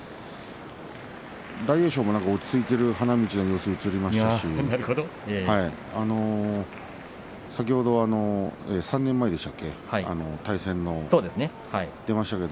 大栄翔も落ち着いている花道の様子が映りましたし先ほど３年前の対戦でしたっけ？